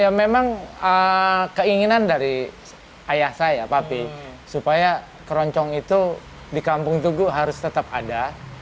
ya memang keinginan dari ayah saya papi supaya keroncong itu di kampung tugu harus tetap ada